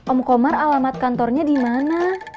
om komar alamat kantornya di mana